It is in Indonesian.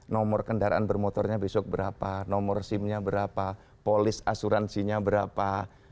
nomor kendaraan bermotornya besok berapa nomor sim nya berapa polis asuransinya berapa